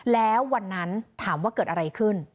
แล้ววันนั้นถามว่าเกิดอะไรขึ้น